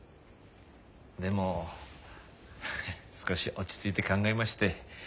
でも少し落ち着いて考えまして。